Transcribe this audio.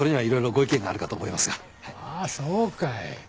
ああそうかい。